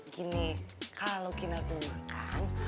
gini kalau kita belum makan